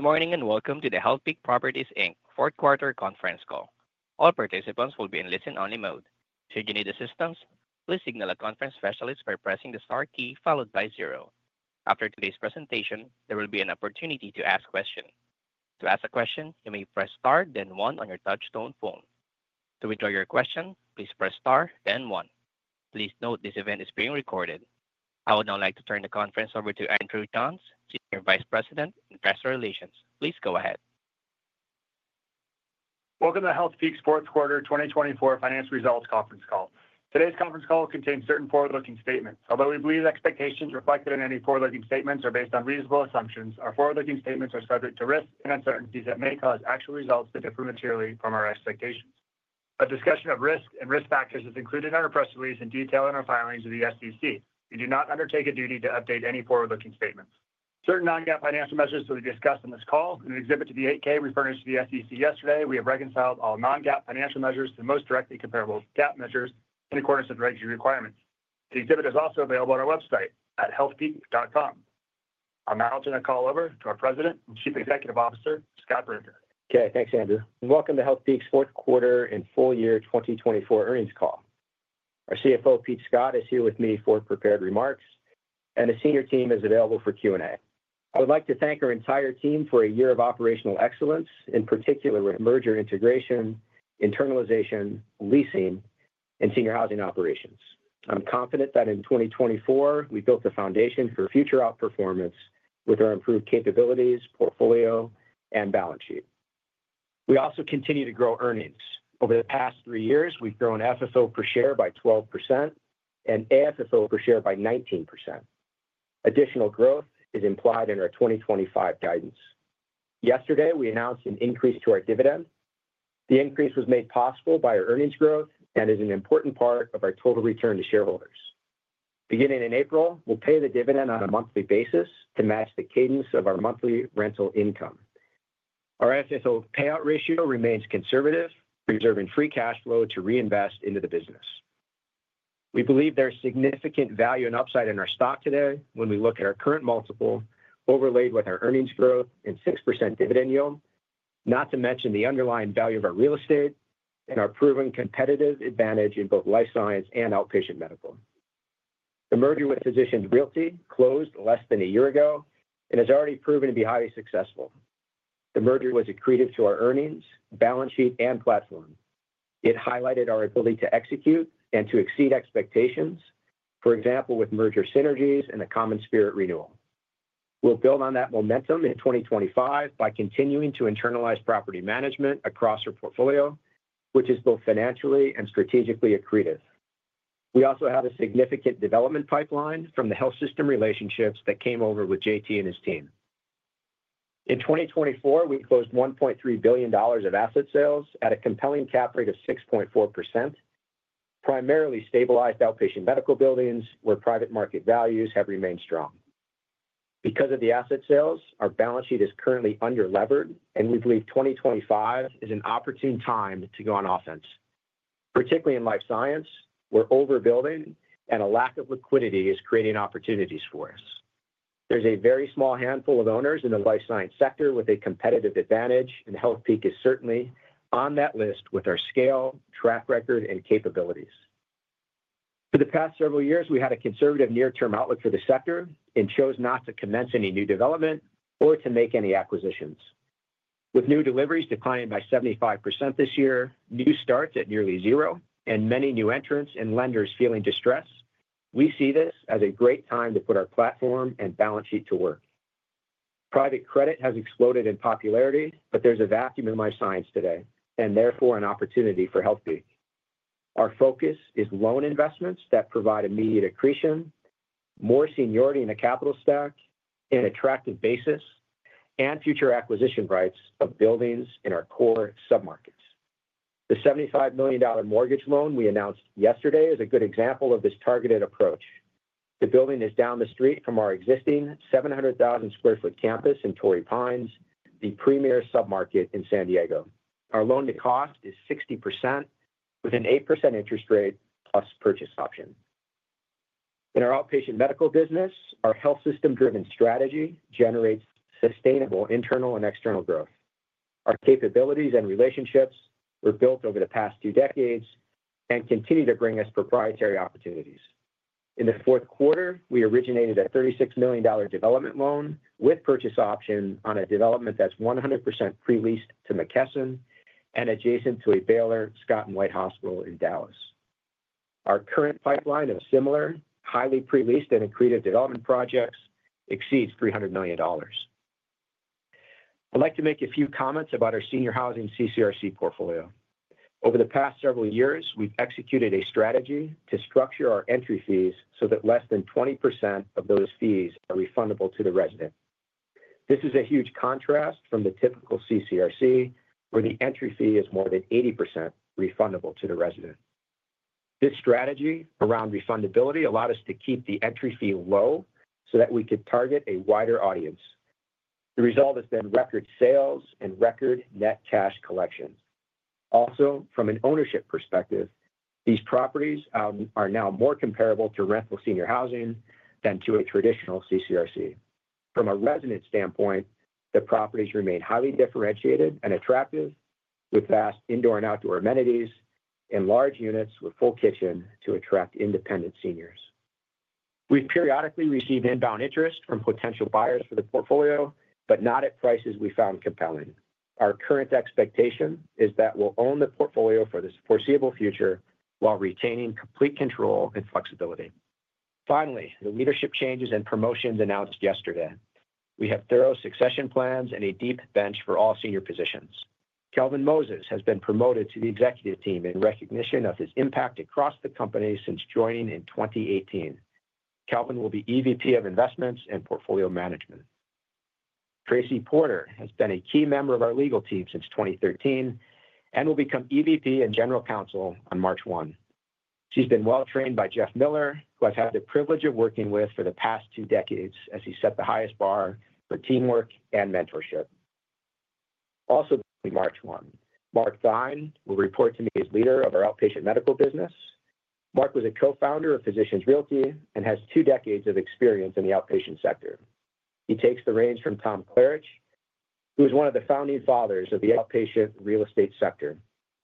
Good morning and welcome to the Healthpeak Properties, Inc fourth quarter conference call. All participants will be in listen-only mode. Should you need assistance, please signal a conference specialist by pressing the star key followed by zero. After today's presentation, there will be an opportunity to ask questions. To ask a question, you may press star then one on your touch-tone phone. To withdraw your question, please press star then one. Please note this event is being recorded. I would now like to turn the conference over to Andrew Johns, Senior Vice President, Investor Relations. Please go ahead. Welcome to the Healthpeak's fourth quarter 2024 financial results conference call. Today's conference call contains certain forward-looking statements. Although we believe expectations reflected in any forward-looking statements are based on reasonable assumptions, our forward-looking statements are subject to risks and uncertainties that may cause actual results to differ materially from our expectations. A discussion of risk and risk factors is included in our press release and detailed in our filings with the SEC. We do not undertake a duty to update any forward-looking statements. Certain non-GAAP financial measures will be discussed in this call, and an exhibit to the 8-K we furnished to the SEC yesterday. We have reconciled all non-GAAP financial measures to the most directly comparable GAAP measures in accordance with Reg G requirements. The exhibit is also available on our website at healthpeak.com. I'll now turn the call over to our President and Chief Executive Officer, Scott Brinker. Okay, thanks, Andrew. Welcome to Healthpeak's fourth quarter and full year 2024 earnings call. Our CFO, Pete Scott, is here with me for prepared remarks, and the senior team is available for Q&A. I would like to thank our entire team for a year of operational excellence, in particular with merger integration, internalization, leasing, and senior housing operations. I'm confident that in 2024 we built the foundation for future outperformance with our improved capabilities, portfolio, and balance sheet. We also continue to grow earnings. Over the past three years, we've grown FFO per share by 12% and AFFO per share by 19%. Additional growth is implied in our 2025 guidance. Yesterday, we announced an increase to our dividend. The increase was made possible by our earnings growth and is an important part of our total return to shareholders. Beginning in April, we'll pay the dividend on a monthly basis to match the cadence of our monthly rental income. Our FFO payout ratio remains conservative, reserving free cash flow to reinvest into the business. We believe there is significant value and upside in our stock today when we look at our current multiple overlaid with our earnings growth and 6% dividend yield, not to mention the underlying value of our real estate and our proven competitive advantage in both life science and outpatient medical. The merger with Physicians Realty closed less than a year ago and has already proven to be highly successful. The merger was accretive to our earnings, balance sheet, and platform. It highlighted our ability to execute and to exceed expectations, for example, with merger synergies and the CommonSpirit renewal. We'll build on that momentum in 2025 by continuing to internalize property management across our portfolio, which is both financially and strategically accretive. We also have a significant development pipeline from the health system relationships that came over with J.T. and his team. In 2024, we closed $1.3 billion of asset sales at a compelling cap rate of 6.4%, primarily stabilized outpatient medical buildings where private market values have remained strong. Because of the asset sales, our balance sheet is currently under-levered, and we believe 2025 is an opportune time to go on offense, particularly in life science, where overbuilding and a lack of liquidity is creating opportunities for us. There's a very small handful of owners in the life science sector with a competitive advantage, and Healthpeak is certainly on that list with our scale, track record, and capabilities. For the past several years, we had a conservative near-term outlook for the sector and chose not to commence any new development or to make any acquisitions. With new deliveries declining by 75% this year, new starts at nearly zero, and many new entrants and lenders feeling distressed, we see this as a great time to put our platform and balance sheet to work. Private credit has exploded in popularity, but there's a vacuum in life science today and therefore an opportunity for Healthpeak. Our focus is loan investments that provide immediate accretion, more seniority in the capital stack, an attractive basis, and future acquisition rights of buildings in our core submarkets. The $75 million mortgage loan we announced yesterday is a good example of this targeted approach. The building is down the street from our existing 700,000 sq ft campus in Torrey Pines, the premier submarket in San Diego. Our loan-to-cost is 60% with an 8% interest rate plus purchase option. In our outpatient medical business, our health system-driven strategy generates sustainable internal and external growth. Our capabilities and relationships were built over the past two decades and continue to bring us proprietary opportunities. In the fourth quarter, we originated a $36 million development loan with purchase option on a development that's 100% pre-leased to McKesson and adjacent to a Baylor Scott & White Hospital in Dallas. Our current pipeline of similar, highly pre-leased and accretive development projects exceeds $300 million. I'd like to make a few comments about our senior housing CCRC portfolio. Over the past several years, we've executed a strategy to structure our entry fees so that less than 20% of those fees are refundable to the resident. This is a huge contrast from the typical CCRC, where the entry fee is more than 80% refundable to the resident. This strategy around refundability allowed us to keep the entry fee low so that we could target a wider audience. The result has been record sales and record net cash collections. Also, from an ownership perspective, these properties are now more comparable to rental senior housing than to a traditional CCRC. From a resident standpoint, the properties remain highly differentiated and attractive, with vast indoor and outdoor amenities and large units with full kitchen to attract independent seniors. We've periodically received inbound interest from potential buyers for the portfolio, but not at prices we found compelling. Our current expectation is that we'll own the portfolio for the foreseeable future while retaining complete control and flexibility. Finally, the leadership changes and promotions announced yesterday. We have thorough succession plans and a deep bench for all senior positions. Kelvin Moses has been promoted to the executive team in recognition of his impact across the company since joining in 2018. Kelvin will be EVP of Investments and Portfolio Management. Tracy Porter has been a key member of our legal team since 2013 and will become EVP and General Counsel on March 1. She's been well trained by Jeff Miller, who I've had the privilege of working with for the past two decades as he set the highest bar for teamwork and mentorship. Also, March 1, Mark Theine will report to me as leader of our outpatient medical business. Mark was a co-founder of Physicians Realty and has two decades of experience in the outpatient sector. He takes the reins from Tom Klaritch, who is one of the founding fathers of the outpatient real estate sector.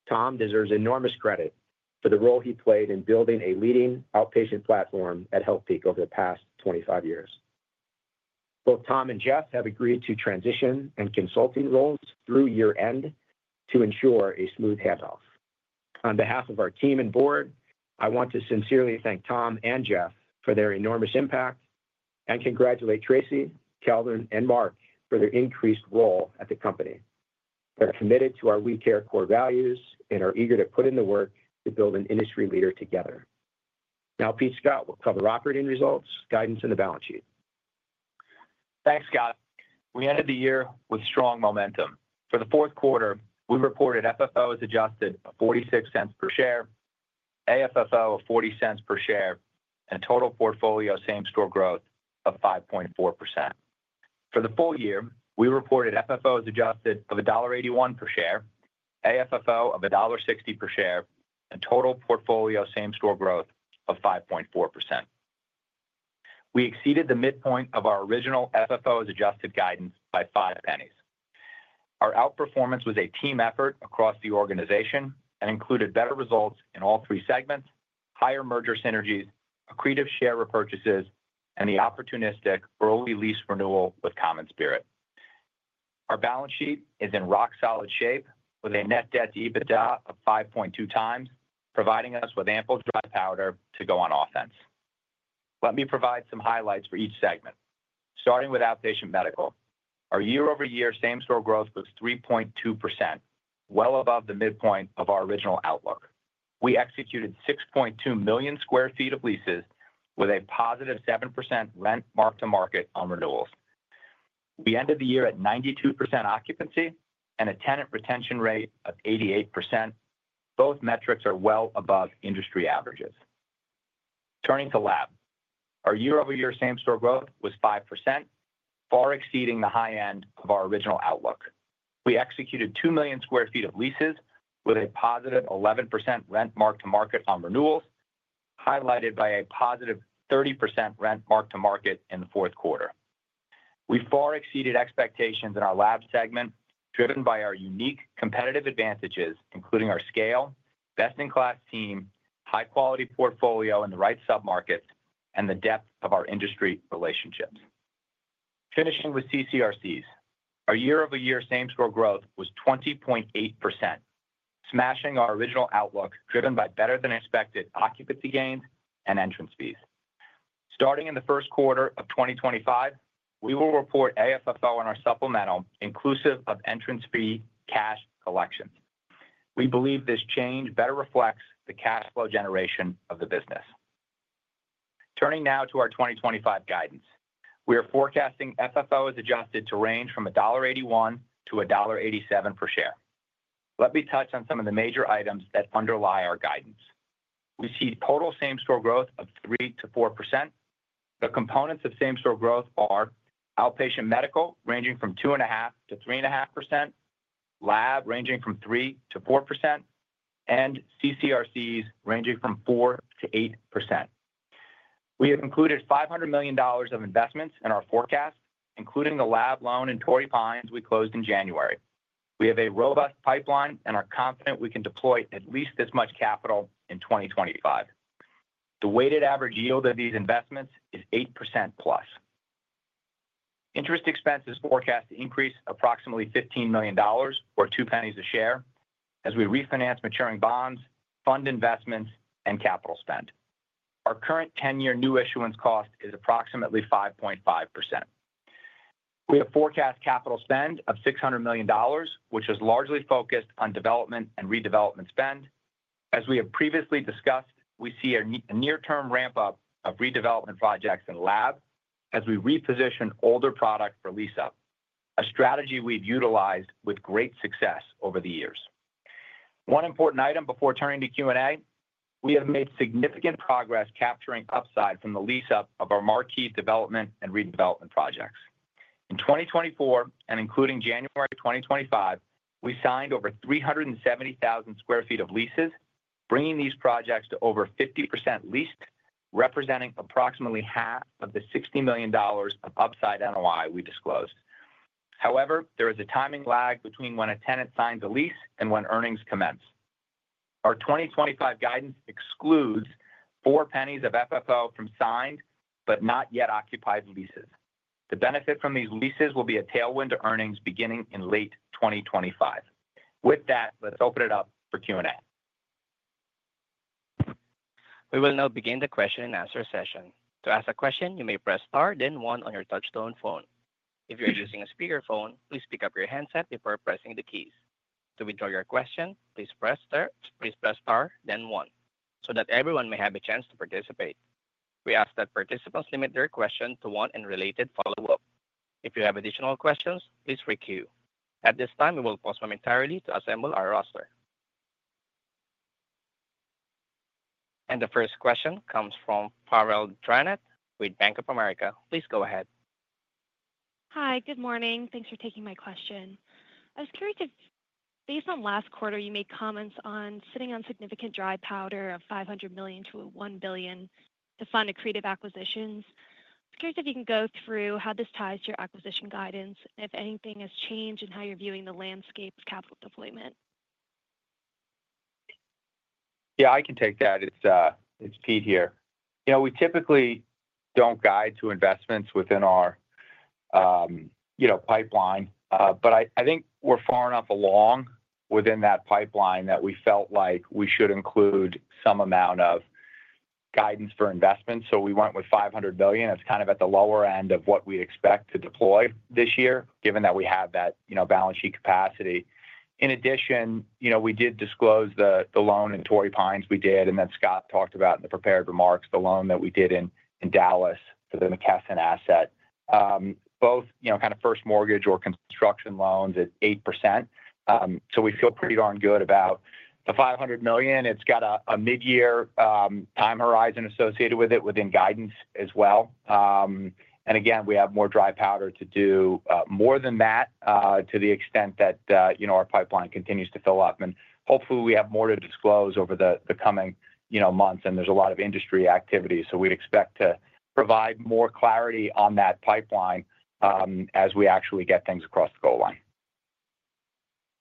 Tom deserves enormous credit for the role he played in building a leading outpatient platform at Healthpeak over the past 25 years. Both Tom and Jeff have agreed to transition and consulting roles through year-end to ensure a smooth handoff. On behalf of our team and board, I want to sincerely thank Tom and Jeff for their enormous impact and congratulate Tracy, Kelvin, and Mark for their increased role at the company. They're committed to our We Care core values and are eager to put in the work to build an industry leader together. Now, Pete Scott will cover operating results, guidance, and the balance sheet. Thanks, Scott. We ended the year with strong momentum. For the fourth quarter, we reported FFOs adjusted of $0.46 per share, AFFO of $0.40 per share, and total portfolio same-store growth of 5.4%. For the full year, we reported FFOs adjusted of $1.81 per share, AFFO of $1.60 per share, and total portfolio same-store growth of 5.4%. We exceeded the midpoint of our original FFOs adjusted guidance by $0.05. Our outperformance was a team effort across the organization and included better results in all three segments, higher merger synergies, accretive share repurchases, and the opportunistic early lease renewal with CommonSpirit. Our balance sheet is in rock-solid shape with a net debt to EBITDA of 5.2 times, providing us with ample dry powder to go on offense. Let me provide some highlights for each segment. Starting with outpatient medical, our year-over-year same-store growth was 3.2%, well above the midpoint of our original outlook. We executed 6.2 million sq ft of leases with a positive 7% rent mark-to-market on renewals. We ended the year at 92% occupancy and a tenant retention rate of 88%. Both metrics are well above industry averages. Turning to lab, our year-over-year same-store growth was 5%, far exceeding the high end of our original outlook. We executed 2 million sq ft of leases with a positive 11% rent mark-to-market on renewals, highlighted by a positive 30% rent mark-to-market in the fourth quarter. We far exceeded expectations in our lab segment, driven by our unique competitive advantages, including our scale, best-in-class team, high-quality portfolio in the right submarkets, and the depth of our industry relationships. Finishing with CCRCs, our year-over-year same-store growth was 20.8%, smashing our original outlook, driven by better-than-expected occupancy gains and entrance fees. Starting in the first quarter of 2025, we will report AFFO on our supplemental, inclusive of entrance fee cash collections. We believe this change better reflects the cash flow generation of the business. Turning now to our 2025 guidance, we are forecasting FFOs adjusted to range from $1.81-$1.87 per share. Let me touch on some of the major items that underlie our guidance. We see total same-store growth of 3%-4%. The components of same-store growth are outpatient medical ranging from 2.5%-3.5%, lab ranging from 3%-4%, and CCRCs ranging from 4%-8%. We have included $500 million of investments in our forecast, including the lab loan in Torrey Pines we closed in January. We have a robust pipeline and are confident we can deploy at least this much capital in 2025. The weighted average yield of these investments is 8% plus. Interest expenses forecast to increase approximately $15 million or $0.02 a share as we refinance maturing bonds, fund investments, and capital spend. Our current 10-year new issuance cost is approximately 5.5%. We have forecast capital spend of $600 million, which is largely focused on development and redevelopment spend. As we have previously discussed, we see a near-term ramp-up of redevelopment projects in lab as we reposition older product for lease-up, a strategy we've utilized with great success over the years. One important item before turning to Q&A, we have made significant progress capturing upside from the lease-up of our marquee development and redevelopment projects. In 2024, and including January 2025, we signed over 370,000 sq ft of leases, bringing these projects to over 50% leased, representing approximately half of the $60 million of upside NOI we disclosed. However, there is a timing lag between when a tenant signs a lease and when earnings commence. Our 2025 guidance excludes $0.04 of FFO from signed but not yet occupied leases. The benefit from these leases will be a tailwind to earnings beginning in late 2025. With that, let's open it up for Q&A. We will now begin the question and answer session. To ask a question, you may press Star, then one on your touch-tone phone. If you're using a speakerphone, please pick up your handset before pressing the keys. To withdraw your question, please press Star, then one, so that everyone may have a chance to participate. We ask that participants limit their question to one and related follow-up. If you have additional questions, please re-queue. At this time, we will pause momentarily to assemble our roster, and the first question comes from Farrell Granath with Bank of America. Please go ahead. Hi, good morning. Thanks for taking my question. I was curious if, based on last quarter, you made comments on sitting on significant dry powder of $500 million-$1 billion to fund accretive acquisitions? I was curious if you can go through how this ties to your acquisition guidance and if anything has changed in how you're viewing the landscape of capital deployment? Yeah, I can take that. It's Pete here. You know, we typically don't guide to investments within our pipeline, but I think we're far enough along within that pipeline that we felt like we should include some amount of guidance for investment. So we went with $500 million. It's kind of at the lower end of what we expect to deploy this year, given that we have that balance sheet capacity. In addition, we did disclose the loan in Torrey Pines we did, and then Scott talked about in the prepared remarks the loan that we did in Dallas for the McKesson asset, both kind of first mortgage or construction loans at 8%. So we feel pretty darn good about the $500 million. It's got a mid-year time horizon associated with it within guidance as well. And again, we have more dry powder to do more than that to the extent that our pipeline continues to fill up. And hopefully, we have more to disclose over the coming months, and there's a lot of industry activity. So we expect to provide more clarity on that pipeline as we actually get things across the goal line.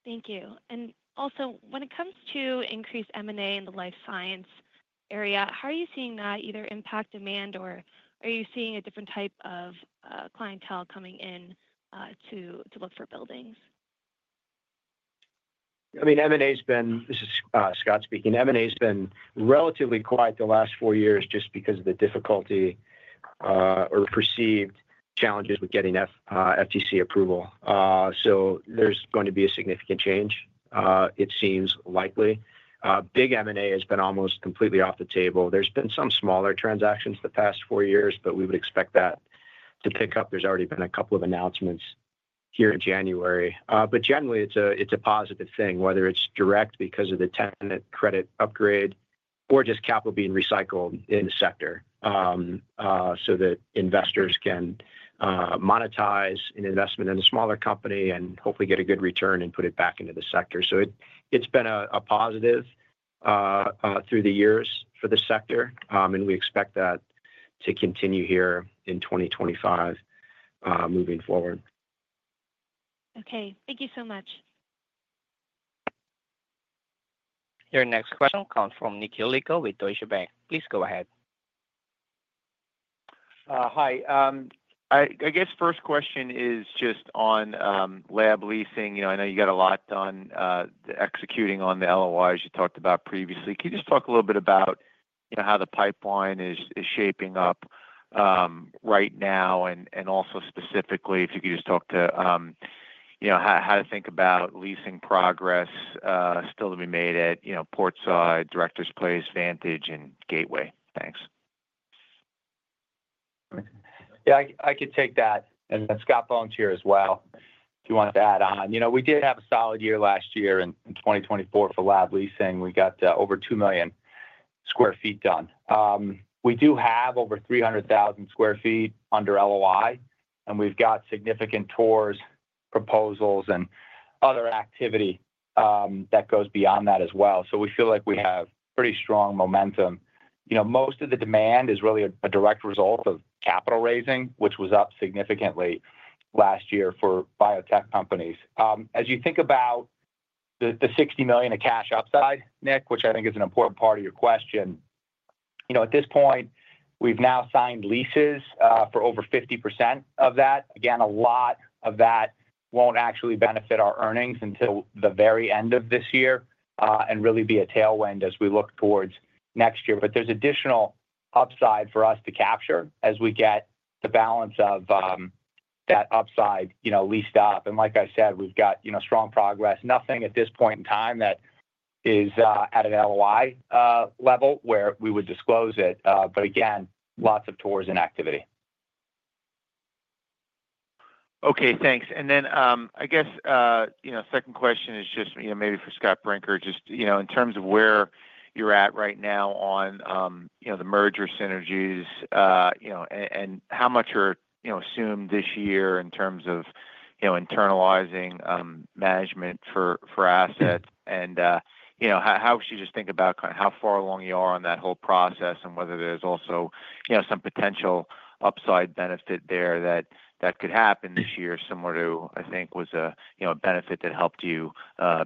Thank you. And also, when it comes to increased M&A in the life science area, how are you seeing that either impact demand, or are you seeing a different type of clientele coming in to look for buildings? I mean, M&A has been, this is Scott speaking, M&A has been relatively quiet the last four years just because of the difficulty or perceived challenges with getting FTC approval. So there's going to be a significant change, it seems likely. Big M&A has been almost completely off the table. There's been some smaller transactions the past four years, but we would expect that to pick up. There's already been a couple of announcements here in January. But generally, it's a positive thing, whether it's direct because of the tenant credit upgrade or just capital being recycled in the sector so that investors can monetize an investment in a smaller company and hopefully get a good return and put it back into the sector. So it's been a positive through the years for the sector, and we expect that to continue here in 2025 moving forward. Okay. Thank you so much. Your next question comes from Nick Yulico with Scotiabank. Please go ahead. Hi. I guess first question is just on lab leasing. I know you got a lot done executing on the LOIs you talked about previously. Can you just talk a little bit about how the pipeline is shaping up right now? And also specifically, if you could just talk to how to think about leasing progress still to be made at Portside, Directors Place, Vantage, and Gateway. Thanks. Yeah, I could take that. And then Scott Bohn here as well, if you want to add on. We did have a solid year last year in 2024 for lab leasing. We got over 2 million sq ft done. We do have over 300,000 sq ft under LOI, and we've got significant tours, proposals, and other activity that goes beyond that as well. So we feel like we have pretty strong momentum. Most of the demand is really a direct result of capital raising, which was up significantly last year for biotech companies. As you think about the $60 million of cash upside, Nick, which I think is an important part of your question, at this point, we've now signed leases for over 50% of that. Again, a lot of that won't actually benefit our earnings until the very end of this year and really be a tailwind as we look towards next year. But there's additional upside for us to capture as we get the balance of that upside leased up. And like I said, we've got strong progress. Nothing at this point in time that is at an LOI level where we would disclose it. But again, lots of tours and activity. Okay. Thanks. And then I guess second question is just maybe for Scott Brinker, just in terms of where you're at right now on the merger synergies and how much are assumed this year in terms of internalizing management for assets. And how should you just think about kind of how far along you are on that whole process and whether there's also some potential upside benefit there that could happen this year, similar to, I think, was a benefit that helped you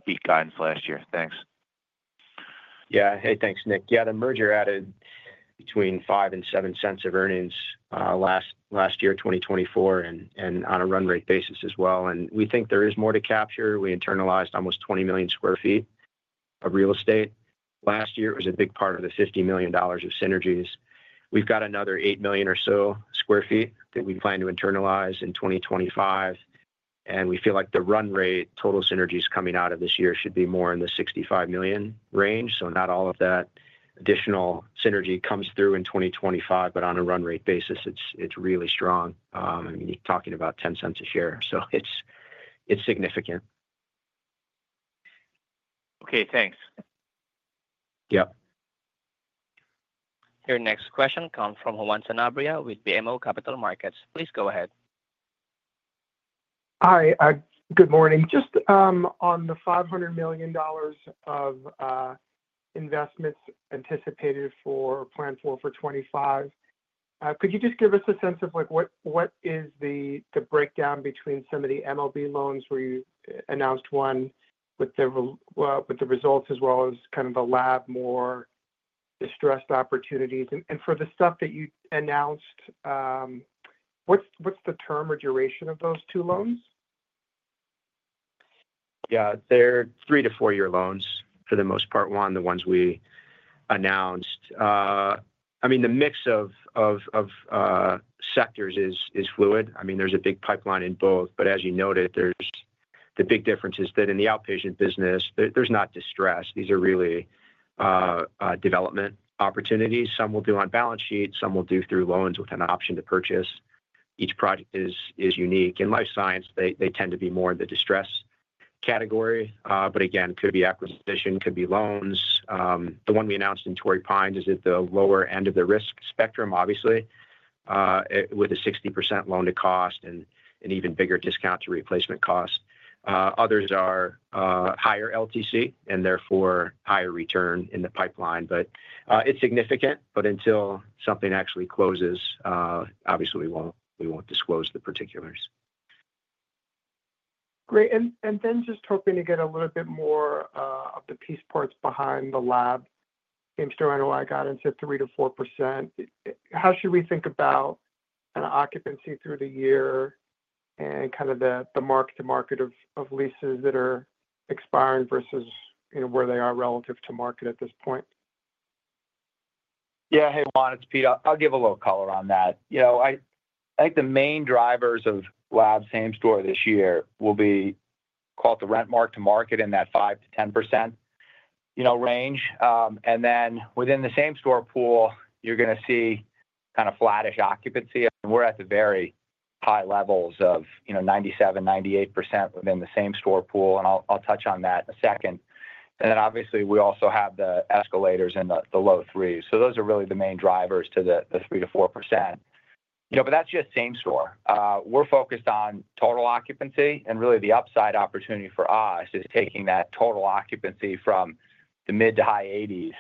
beat guidance last year. Thanks. Yeah. Hey, thanks, Nick. Yeah, the merger added between 5 and 7 cents of earnings last year, 2024, and on a run rate basis as well. And we think there is more to capture. We internalized almost 20 million sq ft of real estate. Last year, it was a big part of the $50 million of synergies. We've got another 8 million or so sq ft that we plan to internalize in 2025. And we feel like the run rate total synergies coming out of this year should be more in the $65 million range. So not all of that additional synergy comes through in 2025, but on a run rate basis, it's really strong. I mean, you're talking about $0.10 a share. So it's significant. Okay. Thanks. Yep. Your next question comes from Juan Sanabria with BMO Capital Markets. Please go ahead. Hi. Good morning. Just on the $500 million of investments anticipated, planned for 2025, could you just give us a sense of what is the breakdown between some of the MLB loans where you announced one with the results as well as kind of the lab more distressed opportunities? For the stuff that you announced, what's the term or duration of those two loans? Yeah. They're three- to four-year loans for the most part, one of the ones we announced. I mean, the mix of sectors is fluid. I mean, there's a big pipeline in both. But as you noted, the big difference is that in the outpatient business, there's not distress. These are really development opportunities. Some will do on balance sheet. Some will do through loans with an option to purchase. Each project is unique. In life science, they tend to be more in the distress category. But again, could be acquisition, could be loans. The one we announced in Torrey Pines is at the lower end of the risk spectrum, obviously, with a 60% loan to cost and an even bigger discount to replacement cost. Others are higher LTC and therefore higher return in the pipeline. But it's significant. But until something actually closes, obviously, we won't disclose the particulars. Great. And then just hoping to get a little bit more of the piece parts behind the lab same-store NOI got into 3%-4%. How should we think about kind of occupancy through the year and kind of the mark-to-market of leases that are expiring versus where they are relative to market at this point? Yeah. Hey, Juan, it's Pete. I'll give a little color on that. I think the main drivers of lab same store this year will be called the rent mark-to-market in that 5%-10% range. And then within the same store pool, you're going to see kind of flattish occupancy. And we're at the very high levels of 97%, 98% within the same store pool. And I'll touch on that in a second. And then obviously, we also have the escalators in the low threes. So those are really the main drivers to the 3%-4%. But that's just same store. We're focused on total occupancy. And really, the upside opportunity for us is taking that total occupancy from the mid to high 80s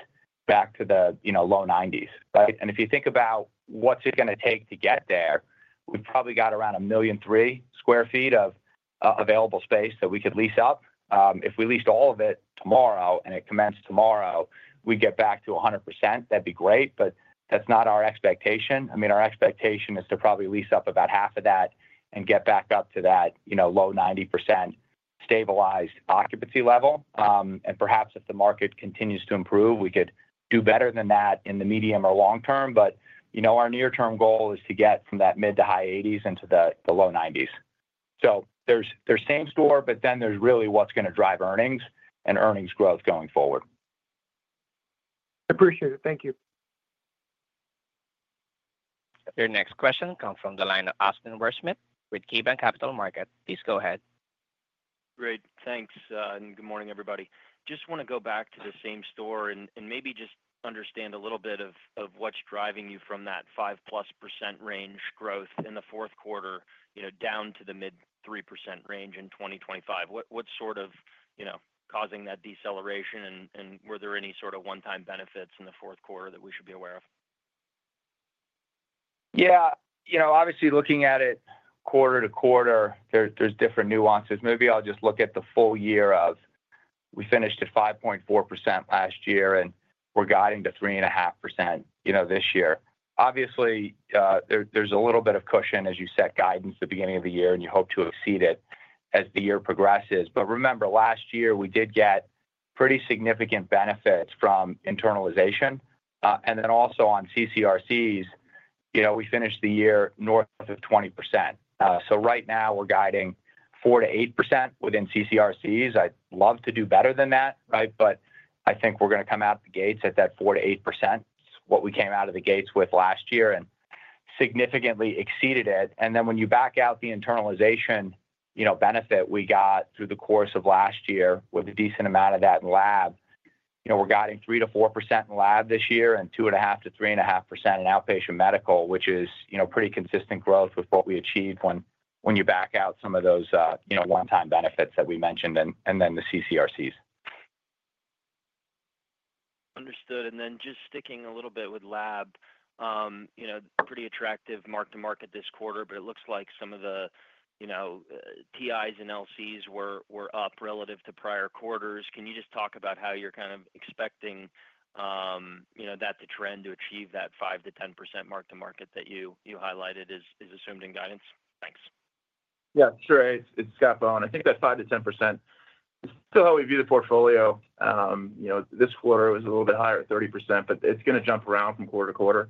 back to the low 90s, right? And if you think about what's it going to take to get there, we've probably got around 1.3 million sq ft of available space that we could lease up. If we leased all of it tomorrow and it commenced tomorrow, we'd get back to 100%. That'd be great. But that's not our expectation. I mean, our expectation is to probably lease up about 650,000 sq ft and get back up to that low-90% stabilized occupancy level. And perhaps if the market continues to improve, we could do better than that in the medium or long term. But our near-term goal is to get from that mid- to high-80s into the low-90s. So there's same-store, but then there's really what's going to drive earnings and earnings growth going forward. Appreciate it. Thank you. Your next question comes from the line of Austin Wurschmidt with KeyBanc Capital Markets. Please go ahead. Great. Thanks. Good morning, everybody. Just want to go back to the same-store and maybe just understand a little bit of what's driving you from that 5% plus range growth in the fourth quarter down to the mid-3% range in 2025. What's sort of causing that deceleration? And were there any sort of one-time benefits in the fourth quarter that we should be aware of? Yeah. Obviously, looking at it quarter to quarter, there's different nuances. Maybe I'll just look at the full year of we finished at 5.4% last year, and we're guiding to 3.5% this year. Obviously, there's a little bit of cushion, as you said, guidance at the beginning of the year, and you hope to exceed it as the year progresses, but remember, last year, we did get pretty significant benefits from internalization, and then also on CCRCs, we finished the year north of 20%, so right now, we're guiding 4%-8% within CCRCs. I'd love to do better than that, right, but I think we're going to come out of the gates at that 4%-8%, what we came out of the gates with last year and significantly exceeded it. And then, when you back out the internalization benefit we got through the course of last year with a decent amount of that in lab, we're guiding 3%-4% in lab this year and 2.5%-3.5% in outpatient medical, which is pretty consistent growth with what we achieve when you back out some of those one-time benefits that we mentioned and then the CCRCs. Understood. And then just sticking a little bit with lab, pretty attractive mark-to-market this quarter, but it looks like some of the TIs and LCs were up relative to prior quarters. Can you just talk about how you're kind of expecting that to trend to achieve that 5%-10% mark-to-market that you highlighted is assumed in guidance? Thanks. Yeah. Sure. It's Scott Bohn. I think that 5%-10% is still how we view the portfolio. This quarter, it was a little bit higher, 30%, but it's going to jump around from quarter to quarter.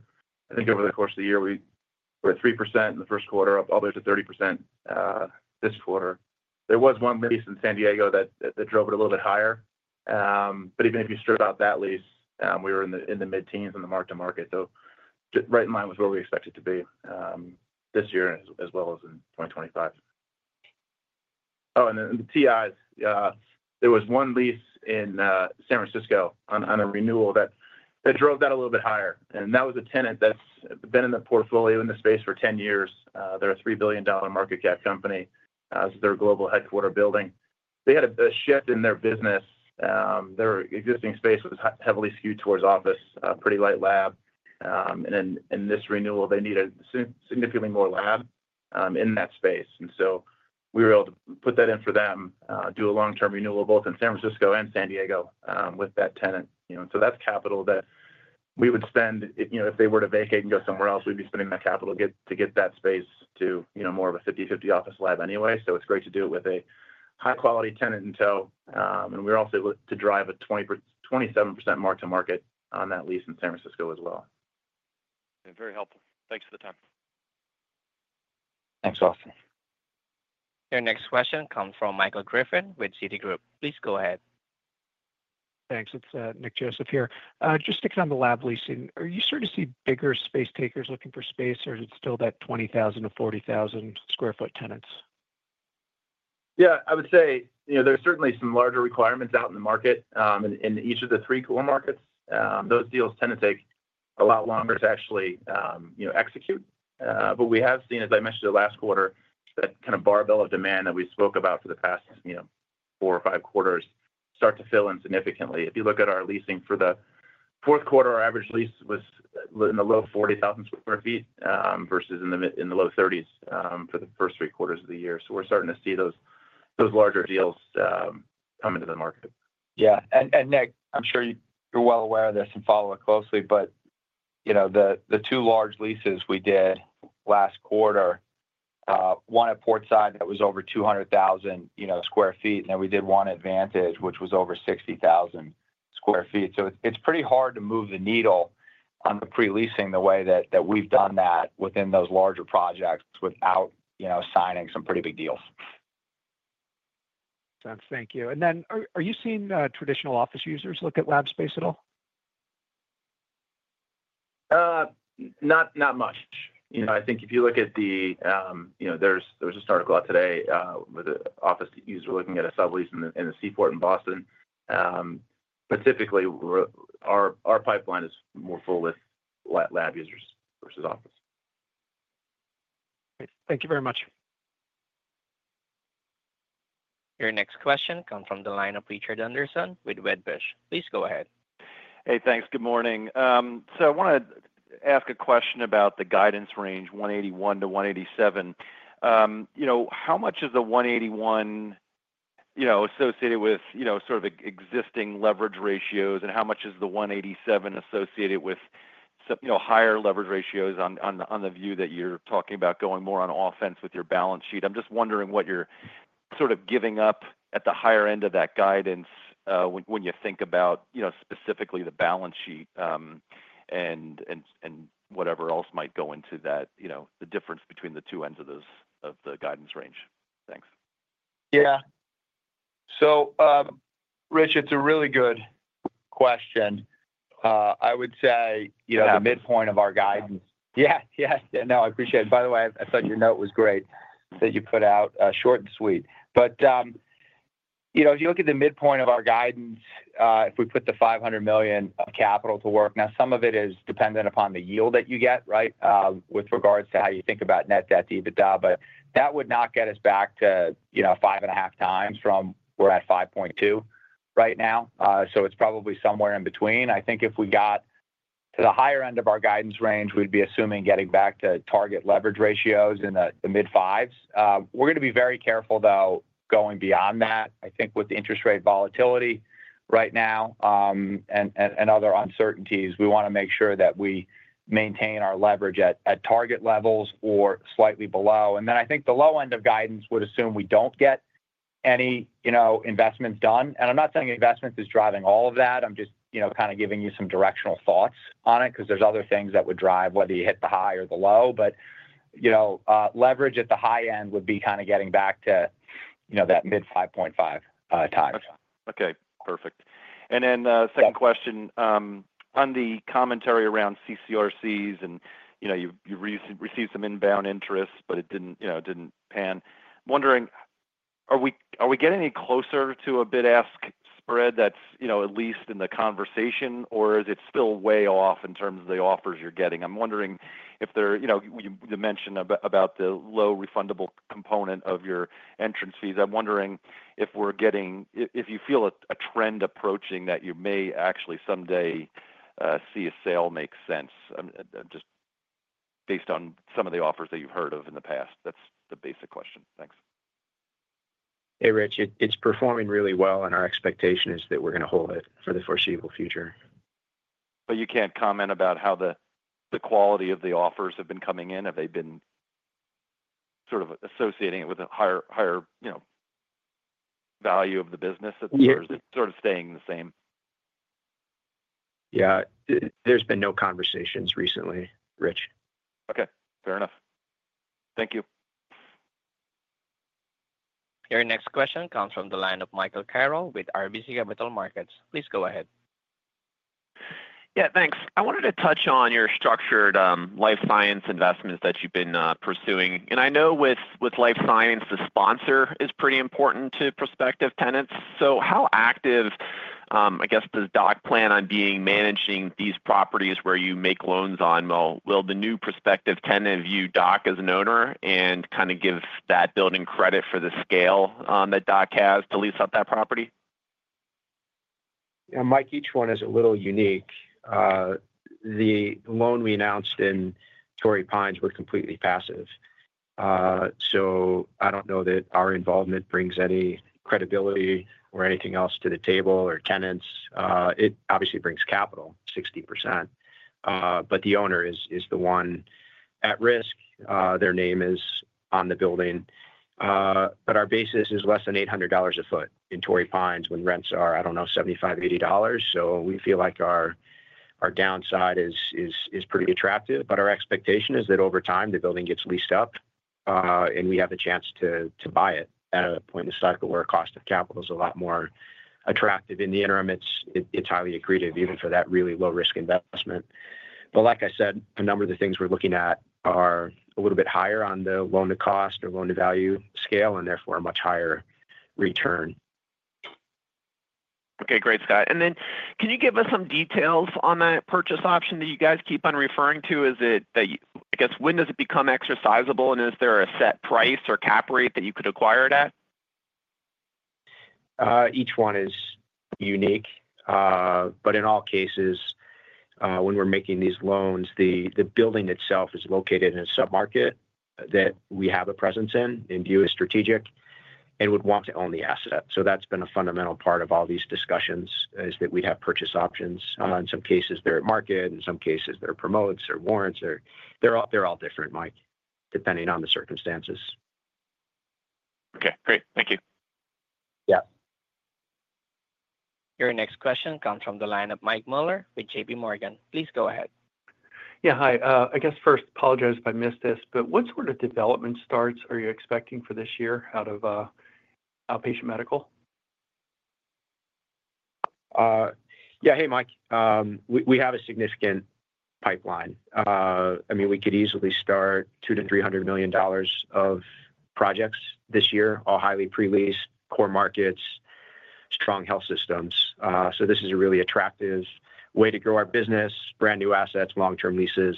I think over the course of the year, we were at 3% in the first quarter, up there to 30% this quarter. There was one lease in San Diego that drove it a little bit higher. But even if you stripped out that lease, we were in the mid-teens on the mark-to-market. So right in line with where we expect it to be this year as well as in 2025. Oh, and then the TIs. There was one lease in San Francisco on a renewal that drove that a little bit higher, and that was a tenant that's been in the portfolio in the space for 10 years. They're a $3 billion market cap company. This is their global headquarters building. They had a shift in their business. Their existing space was heavily skewed towards office, pretty light lab. And in this renewal, they needed significantly more lab in that space. And so we were able to put that in for them, do a long-term renewal both in San Francisco and San Diego with that tenant. So that's capital that we would spend. If they were to vacate and go somewhere else, we'd be spending that capital to get that space to more of a 50/50 office lab anyway. So it's great to do it with a high-quality tenant in tow. And we were also able to drive a 27% mark-to-market on that lease in San Francisco as well. Very helpful. Thanks for the time. Thanks, Austin. Your next question comes from Michael Griffin with Citi. Please go ahead. Thanks. It's Nick Joseph here. Just sticking on the lab leasing, are you starting to see bigger space takers looking for space, or is it still that 20,000-40,000 sq ft tenants? Yeah. I would say there are certainly some larger requirements out in the market in each of the three core markets. Those deals tend to take a lot longer to actually execute. But we have seen, as I mentioned the last quarter, that kind of barbell of demand that we spoke about for the past four or five quarters start to fill in significantly. If you look at our leasing for the fourth quarter, our average lease was in the low 40,000 sq ft versus in the low 30s for the first three quarters of the year. So we're starting to see those larger deals come into the market. Yeah. Nick, I'm sure you're well aware of this and follow it closely, but the two large leases we did last quarter, one at Portside that was over 200,000 sq ft, and then we did one at Vantage, which was over 60,000 sq ft, so it's pretty hard to move the needle on the pre-leasing the way that we've done that within those larger projects without signing some pretty big deals. Thanks. Thank you. And then are you seeing traditional office users look at lab space at all? Not much. I think if you look at, there was just an article out today with an office user looking at a sublease in the Seaport in Boston. But typically, our pipeline is more full with lab users versus office. Thank you very much. Your next question comes from the line of Richard Anderson with Wedbush. Please go ahead. Hey, thanks. Good morning. So I want to ask a question about the guidance range, 181-187. How much is the 181 associated with sort of existing leverage ratios, and how much is the 187 associated with higher leverage ratios on the view that you're talking about going more on offense with your balance sheet? I'm just wondering what you're sort of giving up at the higher end of that guidance when you think about specifically the balance sheet and whatever else might go into that, the difference between the two ends of the guidance range. Thanks. Yeah. So Rich, it's a really good question. I would say the midpoint of our guidance. Yeah. Yes. No, I appreciate it. By the way, I thought your note was great that you put out. Short and sweet. But if you look at the midpoint of our guidance, if we put the $500 million of capital to work, now some of it is dependent upon the yield that you get, right, with regards to how you think about net debt/EBITDA. But that would not get us back to 5.5x from where at 5.2 right now. So it's probably somewhere in between. I think if we got to the higher end of our guidance range, we'd be assuming getting back to target leverage ratios in the mid fives. We're going to be very careful, though, going beyond that. I think with the interest rate volatility right now and other uncertainties, we want to make sure that we maintain our leverage at target levels or slightly below. And then I think the low end of guidance would assume we don't get any investments done. And I'm not saying investments is driving all of that. I'm just kind of giving you some directional thoughts on it because there's other things that would drive whether you hit the high or the low. But leverage at the high end would be kind of getting back to that mid-5.5x. Okay. Perfect. And then second question, on the commentary around CCRCs and you received some inbound interest, but it didn't pan. I'm wondering, are we getting any closer to a bid-ask spread that's at least in the conversation, or is it still way off in terms of the offers you're getting? I'm wondering if you mentioned about the low refundable component of your entrance fees. I'm wondering if you feel a trend approaching that you may actually someday see a sale make sense, just based on some of the offers that you've heard of in the past. That's the basic question. Thanks. Hey, Rich. It's performing really well, and our expectation is that we're going to hold it for the foreseeable future. But you can't comment about how the quality of the offers have been coming in? Have they been sort of associating it with a higher value of the business, or is it sort of staying the same? Yeah. There's been no conversations recently, Rich. Okay. Fair enough. Thank you. Your next question comes from the line of Michael Carroll with RBC Capital Markets. Please go ahead. Yeah. Thanks. I wanted to touch on your structured life science investments that you've been pursuing. And I know with life science, the sponsor is pretty important to prospective tenants. So how active, I guess, does DOC plan on being managing these properties where you make loans on? Well, will the new prospective tenant view DOC as an owner and kind of give that building credit for the scale that DOC has to lease out that property? Yeah. Mike, each one is a little unique. The loan we announced in Torrey Pines was completely passive. So I don't know that our involvement brings any credibility or anything else to the table or tenants. It obviously brings capital, 60%. But the owner is the one at risk. Their name is on the building. But our basis is less than $800 a foot in Torrey Pines when rents are, I don't know, $75-$80. So we feel like our downside is pretty attractive. But our expectation is that over time, the building gets leased up, and we have a chance to buy it at a point in the cycle where cost of capital is a lot more attractive. In the interim, it's highly accretive even for that really low-risk investment. But like I said, a number of the things we're looking at are a little bit higher on the loan-to-cost or loan-to-value scale and therefore a much higher return. Okay. Great, Scott. And then can you give us some details on that purchase option that you guys keep on referring to? I guess, when does it become exercisable, and is there a set price or cap rate that you could acquire it at? Each one is unique. But in all cases, when we're making these loans, the building itself is located in a submarket that we have a presence in and view as strategic and would want to own the asset. So that's been a fundamental part of all these discussions is that we have purchase options. In some cases, they're at market. In some cases, they're promotes or warrants. They're all different, Mike, depending on the circumstances. Okay. Great. Thank you. Yeah. Your next question comes from the line of MikeMueller with JPMorgan. Please go ahead. Yeah. Hi. I guess first, apologize if I missed this, but what sort of development starts are you expecting for this year out of outpatient medical? Yeah. Hey, Mike. We have a significant pipeline. I mean, we could easily start $200 million-$300 million of projects this year, all highly pre-leased, core markets, strong health systems. So this is a really attractive way to grow our business, brand new assets, long-term leases.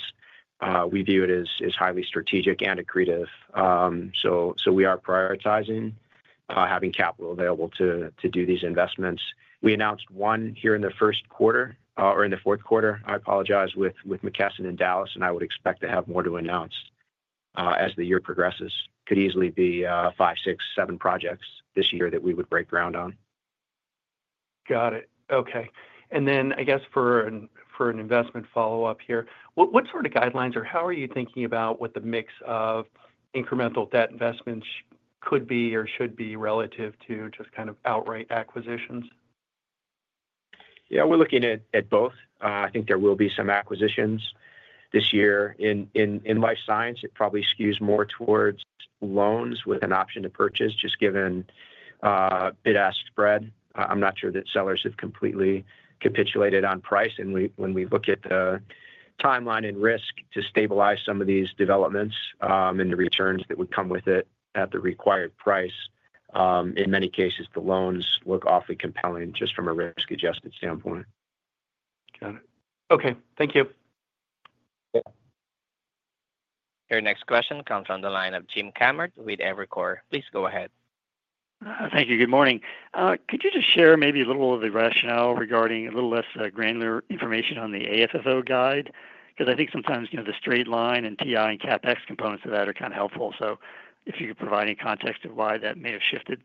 We view it as highly strategic and accretive. So we are prioritizing having capital available to do these investments. We announced one here in the first quarter or in the fourth quarter, I apologize, with McKesson in Dallas, and I would expect to have more to announce as the year progresses. Could easily be five, six, seven projects this year that we would break ground on. Got it. Okay. And then I guess for an investment follow-up here, what sort of guidelines or how are you thinking about what the mix of incremental debt investments could be or should be relative to just kind of outright acquisitions? Yeah. We're looking at both. I think there will be some acquisitions this year. In life science, it probably skews more towards loans with an option to purchase just given bid-ask spread. I'm not sure that sellers have completely capitulated on price. And when we look at the timeline and risk to stabilize some of these developments and the returns that would come with it at the required price, in many cases, the loans look awfully compelling just from a risk-adjusted standpoint. Got it. Okay. Thank you. Yeah. Your next question comes from the line of Jim Kammert with Evercore. Please go ahead. Thank you. Good morning. Could you just share maybe a little of the rationale regarding a little less granular information on the AFFO guide? Because I think sometimes the straight line and TI and CapEx components of that are kind of helpful. So if you could provide any context of why that may have shifted.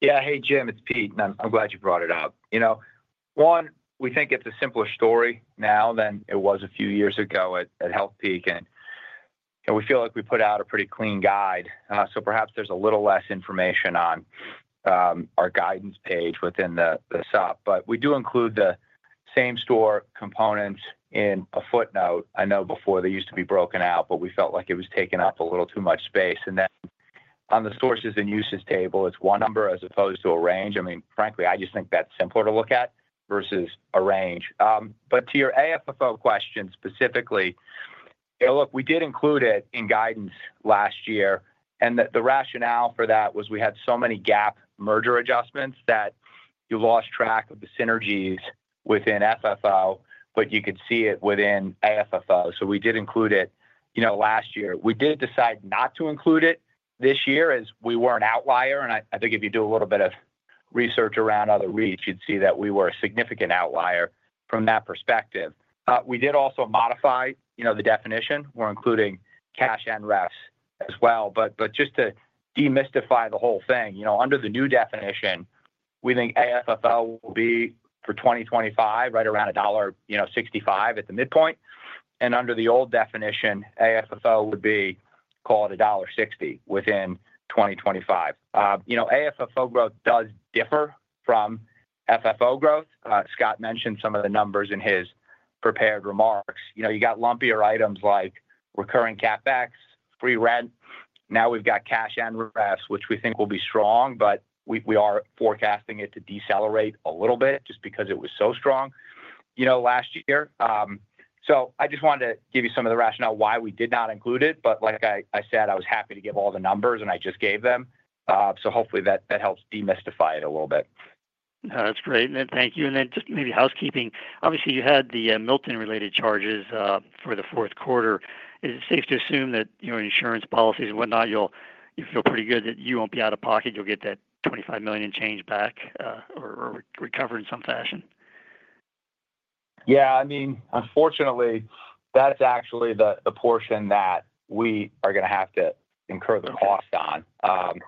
Yeah. Hey, Jim, it's Pete. And I'm glad you brought it up. One, we think it's a simpler story now than it was a few years ago at Healthpeak. And we feel like we put out a pretty clean guide. So perhaps there's a little less information on our guidance page within the SOP. But we do include the same store components in a footnote. I know before they used to be broken out, but we felt like it was taking up a little too much space. And then on the sources and uses table, it's one number as opposed to a range. I mean, frankly, I just think that's simpler to look at versus a range. But to your AFFO question specifically, look, we did include it in guidance last year. The rationale for that was we had so many GAAP merger adjustments that you lost track of the synergies within FFO, but you could see it within AFFO. So we did include it last year. We did decide not to include it this year as we were an outlier. And I think if you do a little bit of research around other REITs, you'd see that we were a significant outlier from that perspective. We did also modify the definition. We're including cash and prefs as well. But just to demystify the whole thing, under the new definition, we think AFFO will be for 2025 right around $1.65 at the midpoint. And under the old definition, AFFO would be called $1.60 within 2025. AFFO growth does differ from FFO growth. Scott mentioned some of the numbers in his prepared remarks. You got lumpier items like recurring CapEx, free rent. Now we've got cash and prefs, which we think will be strong, but we are forecasting it to decelerate a little bit just because it was so strong last year. So I just wanted to give you some of the rationale why we did not include it. But like I said, I was happy to give all the numbers, and I just gave them. So hopefully, that helps demystify it a little bit. That's great. And thank you. And then just maybe housekeeping. Obviously, you had the Milton-related charges for the fourth quarter. Is it safe to assume that insurance policies and whatnot, you'll feel pretty good that you won't be out of pocket? You'll get that $25 million and change back or recovered in some fashion? Yeah. I mean, unfortunately, that's actually the portion that we are going to have to incur the cost on.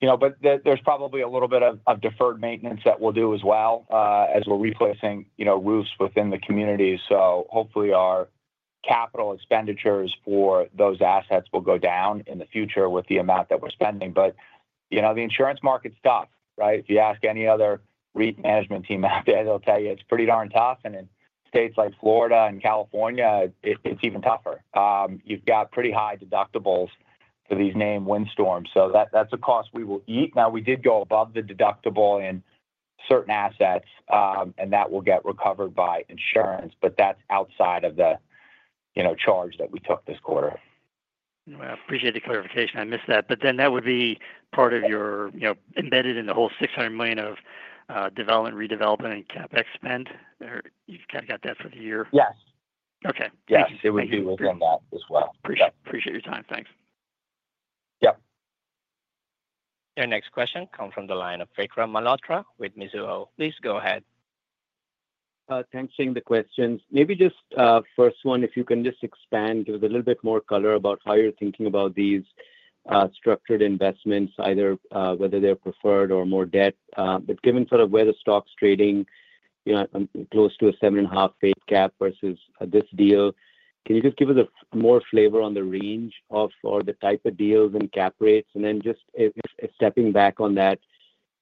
But there's probably a little bit of deferred maintenance that we'll do as well as we're replacing roofs within the community. So hopefully, our capital expenditures for those assets will go down in the future with the amount that we're spending. But the insurance market's tough, right? If you ask any other REIT management team out there, they'll tell you it's pretty darn tough. And in states like Florida and California, it's even tougher. You've got pretty high deductibles for these named windstorms. So that's a cost we will eat. Now, we did go above the deductible in certain assets, and that will get recovered by insurance. But that's outside of the charge that we took this quarter. I appreciate the clarification. I missed that. But then that would be part of your embedded in the whole $600 million of development, redevelopment, and CapEx spend? You've kind of got that for the year? Yes. Okay. Thank you. Yes. It would be within that as well. Appreciate your time. Thanks. Yep. Your next question comes from the line of Vikram Malhotra with Mizuho. Please go ahead. Thanks for the questions. Maybe just the first one, if you can just expand with a little bit more color about how you're thinking about these structured investments, either whether they're preferred or more debt. But given sort of where the stock's trading, close to a 7.5% cap versus this deal, can you just give us more flavor on the range of or the type of deals and cap rates? And then just stepping back on that,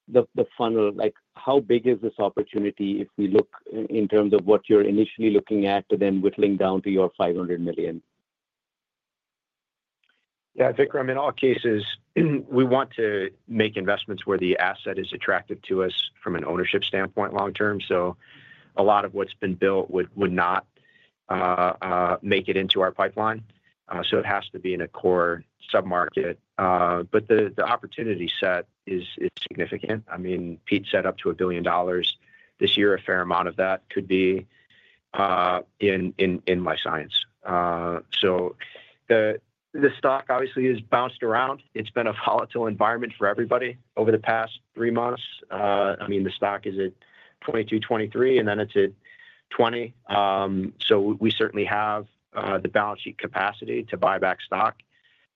the funnel, how big is this opportunity if we look in terms of what you're initially looking at to then whittling down to your $500 million? Yeah. I think, I mean, in all cases, we want to make investments where the asset is attractive to us from an ownership standpoint long-term. So a lot of what's been built would not make it into our pipeline. So it has to be in a core submarket. But the opportunity set is significant. I mean, Pete said up to $1 billion this year, a fair amount of that could be in life science. So the stock obviously has bounced around. It's been a volatile environment for everybody over the past three months. I mean, the stock is at $22, $23, and then it's at $20. So we certainly have the balance sheet capacity to buy back stock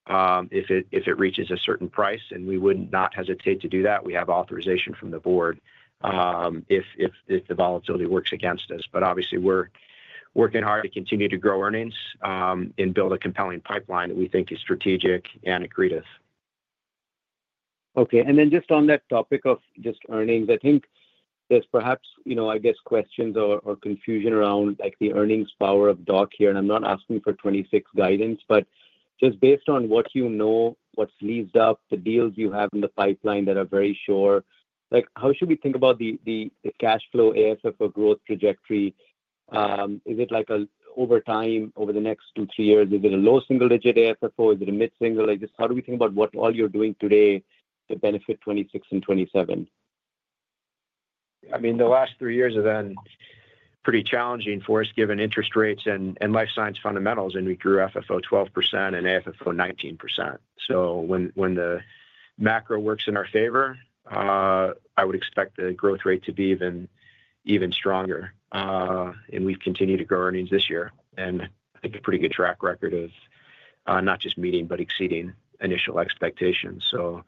if it reaches a certain price. And we would not hesitate to do that. We have authorization from the board if the volatility works against us. Obviously, we're working hard to continue to grow earnings and build a compelling pipeline that we think is strategic and accretive. Okay. And then just on that topic of just earnings, I think there's perhaps, I guess, questions or confusion around the earnings power of DOC here. And I'm not asking for 2026 guidance, but just based on what you know, what's leased up, the deals you have in the pipeline that are very sure, how should we think about the cash flow AFFO growth trajectory? Is it over time, over the next two, three years? Is it a low single-digit AFFO? Is it a mid-single? Just how do we think about what all you're doing today to benefit 2026 and 2027? I mean, the last three years have been pretty challenging for us given interest rates and life science fundamentals. And we grew FFO 12% and AFFO 19%. So when the macro works in our favor, I would expect the growth rate to be even stronger. And we've continued to grow earnings this year. And I think a pretty good track record of not just meeting, but exceeding initial expectations. So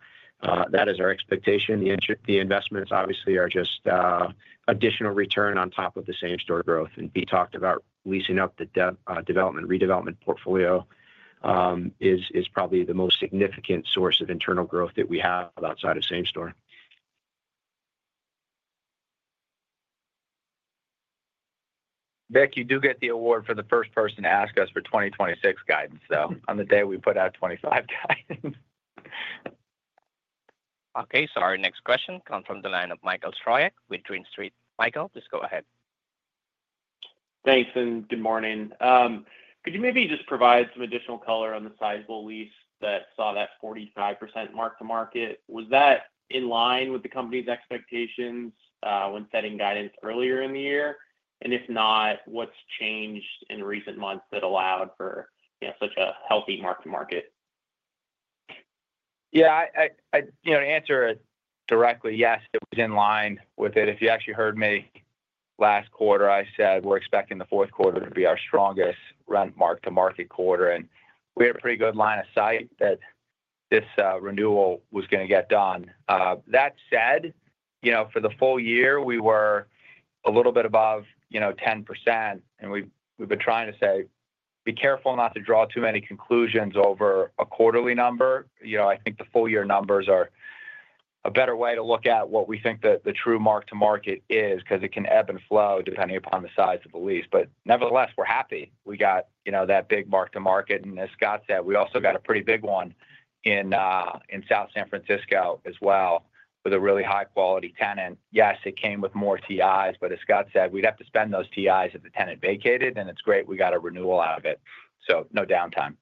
that is our expectation. The investments, obviously, are just additional return on top of the same store growth. And Pete talked about leasing up the development, redevelopment portfolio is probably the most significant source of internal growth that we have outside of Same Store. Zack, you do get the award for the first person to ask us for 2026 guidance, though. On the day we put out 2025 guidance. Okay. So our next question comes from the line of Michael Stroyeck with Green Street. Michael, please go ahead. Thanks. And good morning. Could you maybe just provide some additional color on the sizable lease that saw that 45% mark to market? Was that in line with the company's expectations when setting guidance earlier in the year? And if not, what's changed in recent months that allowed for such a healthy mark-to-market? Yeah. To answer directly, yes, it was in line with it. If you actually heard me last quarter, I said we're expecting the fourth quarter to be our strongest rent mark-to-market quarter, and we had a pretty good line of sight that this renewal was going to get done. That said, for the full year, we were a little bit above 10%. We've been trying to say, be careful not to draw too many conclusions over a quarterly number. I think the full-year numbers are a better way to look at what we think the true mark-to-market is because it can ebb and flow depending upon the size of the lease. Nevertheless, we're happy we got that big mark-to-market, and as Scott said, we also got a pretty big one in South San Francisco as well with a really high-quality tenant. Yes, it came with more TIs, but as Scott said, we'd have to spend those TIs if the tenant vacated, and it's great we got a renewal out of it, so no downtime.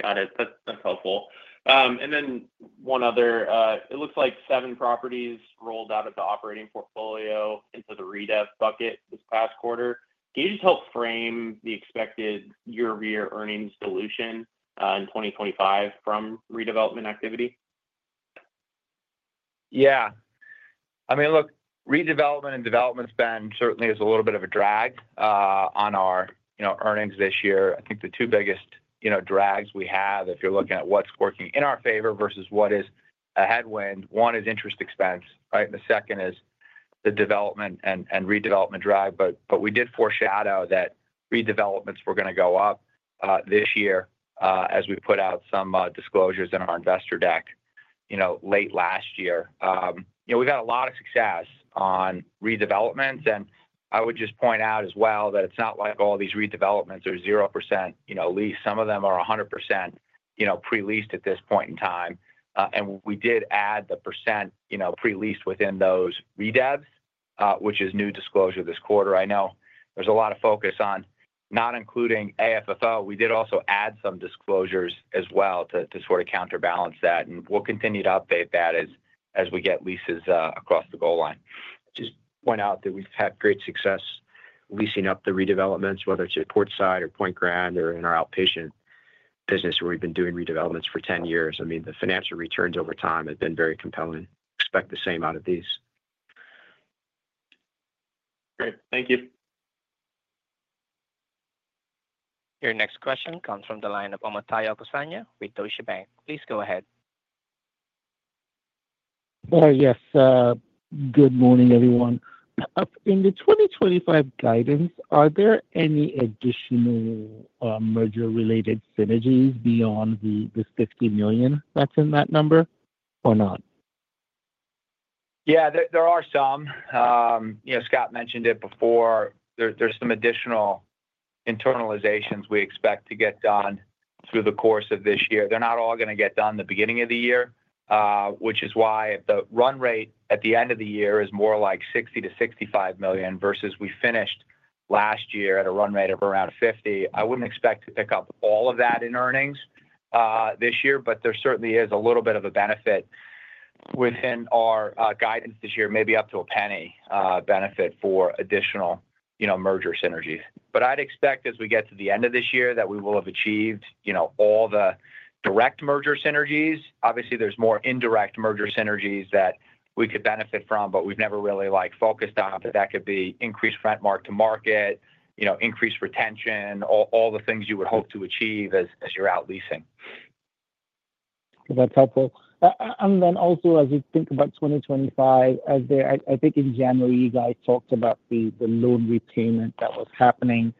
Got it. That's helpful. And then one other, it looks like seven properties rolled out of the operating portfolio into the redev bucket this past quarter. Can you just help frame the expected year-over-year earnings dilution in 2025 from redevelopment activity? Yeah. I mean, look, redevelopment and development spend certainly is a little bit of a drag on our earnings this year. I think the two biggest drags we have, if you're looking at what's working in our favor versus what is a headwind, one is interest expense, right? And the second is the development and redevelopment drag. But we did foreshadow that redevelopments were going to go up this year as we put out some disclosures in our investor deck late last year. We've had a lot of success on redevelopments. And I would just point out as well that it's not like all these redevelopments are 0% leased. Some of them are 100% pre-leased at this point in time. And we did add the % pre-leased within those redevs, which is new disclosure this quarter. I know there's a lot of focus on not including AFFO. We did also add some disclosures as well to sort of counterbalance that. And we'll continue to update that as we get leases across the goal line. Just point out that we've had great success leasing up the redevelopments, whether it's at Portside or Point Grand or in our outpatient business where we've been doing redevelopments for 10 years. I mean, the financial returns over time have been very compelling. Expect the same out of these. Great. Thank you. Your next question comes from the line of Omotayo Okusanya with Deutsche Bank. Please go ahead. Yes. Good morning, everyone. In the 2025 guidance, are there any additional merger-related synergies beyond the $50 million that's in that number or not? Yeah. There are some. Scott mentioned it before. There's some additional internalizations we expect to get done through the course of this year. They're not all going to get done the beginning of the year, which is why the run rate at the end of the year is more like $60 million-$65 million versus we finished last year at a run rate of around $50 million. I wouldn't expect to pick up all of that in earnings this year, but there certainly is a little bit of a benefit within our guidance this year, maybe up to a penny benefit for additional merger synergies. But I'd expect as we get to the end of this year that we will have achieved all the direct merger synergies. Obviously, there's more indirect merger synergies that we could benefit from, but we've never really focused on. But that could be increased rent mark-to-market, increased retention, all the things you would hope to achieve as you're out leasing. That's helpful, and then also, as we think about 2025, I think in January, you guys talked about the loan repayment that was happening.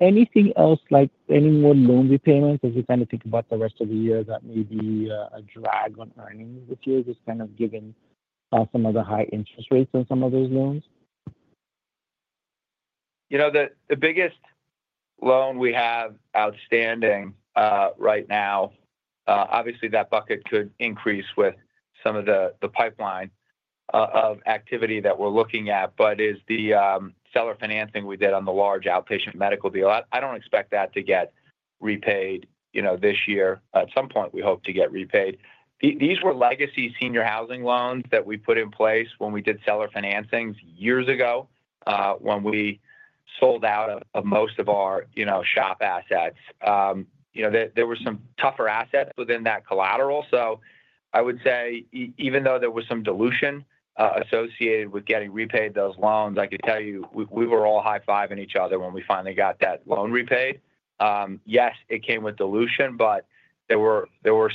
Anything else, like any more loan repayments as you kind of think about the rest of the year that may be a drag on earnings this year just kind of given some of the high interest rates on some of those loans? The biggest loan we have outstanding right now, obviously, that bucket could increase with some of the pipeline of activity that we're looking at, but is the seller financing we did on the large outpatient medical deal. I don't expect that to get repaid this year. At some point, we hope to get repaid. These were legacy senior housing loans that we put in place when we did seller financings years ago when we sold out of most of our SHOP assets. There were some tougher assets within that collateral. So I would say, even though there was some dilution associated with getting repaid those loans, I could tell you we were all high-fiving each other when we finally got that loan repaid. Yes, it came with dilution, but there were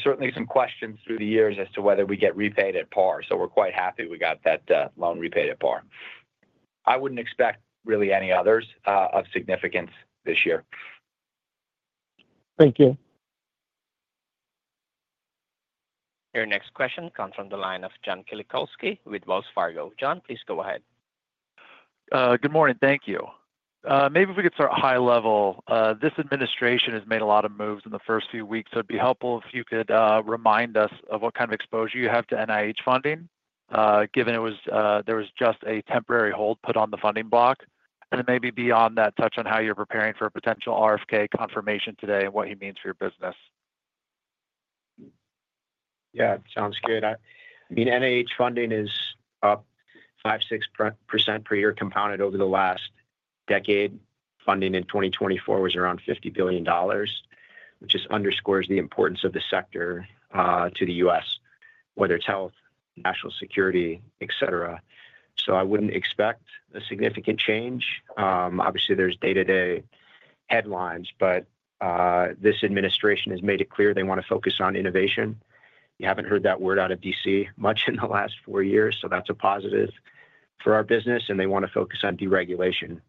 certainly some questions through the years as to whether we get repaid at par. So we're quite happy we got that loan repaid at par. I wouldn't expect really any others of significance this year. Thank you. Your next question comes from the line of John Kilichowski with Wells Fargo. John, please go ahead. Good morning. Thank you. Maybe if we could start high level. This administration has made a lot of moves in the first few weeks. So it'd be helpful if you could remind us of what kind of exposure you have to NIH funding, given there was just a temporary hold put on the funding block. And then maybe beyond that, touch on how you're preparing for a potential RFK confirmation today and what he means for your business. Yeah. Sounds good. I mean, NIH funding is up 5-6% per year compounded over the last decade. Funding in 2024 was around $50 billion, which just underscores the importance of the sector to the U.S., whether it's health, national security, etc. So I wouldn't expect a significant change. Obviously, there's day-to-day headlines, but this administration has made it clear they want to focus on innovation. You haven't heard that word out of D.C. much in the last four years. So that's a positive for our business, and they want to focus on deregulation.